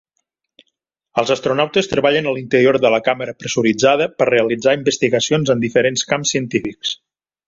Els astronautes treballen a l'interior de la càmera pressuritzada per realitzar investigacions en diferents camps científics.